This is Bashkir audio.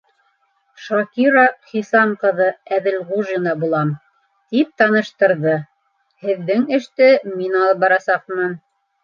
Шакира Хисам ҡыҙы Әҙелғужина булам, - тип таныштырҙы. - һеҙҙен эште мин алып барасаҡмын.